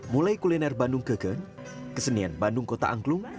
mulai kuliner bandung keken kesenian bandung kota angklung